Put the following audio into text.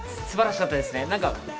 素晴らしかったですね。